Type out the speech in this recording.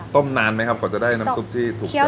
ต้มนานไหมครับกว่าจะได้น้ำซุปที่ถูกต้อง